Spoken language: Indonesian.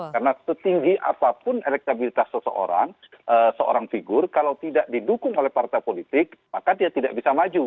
karena setinggi apapun elektabilitas seseorang seorang figur kalau tidak didukung oleh partai politik maka dia tidak bisa maju